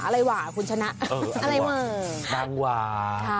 อะไรวะนางว่า